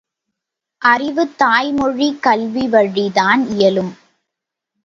அறிவு, தாய்மொழிக் கல்விவழிதான் இயலும்!